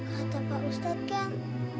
kata pak ustadz kan